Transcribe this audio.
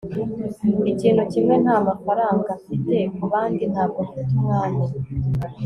ikintu kimwe ntamafaranga mfite; kubandi, ntabwo mfite umwanya